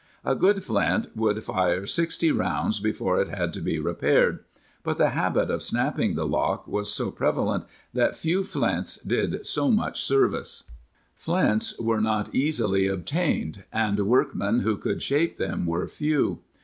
A good flint would fire sixty rounds before it had to be repaired, but the habit of snapping the lock was so prevalent that few flints did so much service.' Flints were not easily obtained and workmen who could shape them were few.